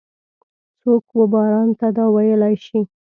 څوک وباران ته دا ویلای شي؟